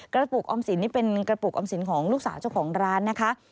กระปุกออมสินนี่เป็นกระปุกออมสินของลูกสาวเจ้าของร้านนะคะ